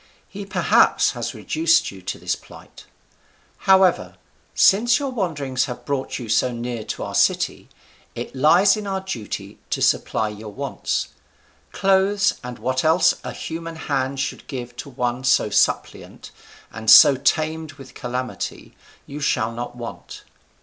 He perhaps has reduced you to this plight. However, since your wanderings have brought you so near to our city, it lies in our duty to supply your wants. Clothes and what else a human hand should give to one so suppliant, and so tamed with calamity, you shall not want.